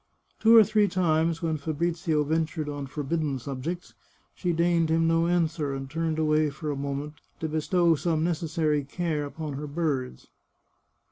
Two or three times, when Fabrizio ventured on forbidden subjects, she deigned him no answer, and turned away for a moment to bestow some necessary care upon her birds.